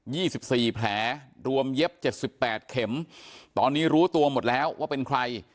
ี่สิบสี่แผลรวมเย็บเจ็ดสิบแปดเข็มตอนนี้รู้ตัวหมดแล้วว่าเป็นใคร